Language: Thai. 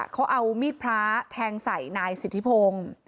เขาเอามีดพระแทงใส่นายสิทธิพงศ์